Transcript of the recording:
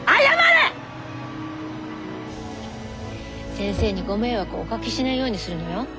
先生にご迷惑をおかけしないようにするのよ。